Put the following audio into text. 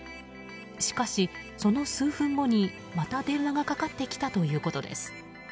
しかし、その数分後にまた電話がかかってきたということです。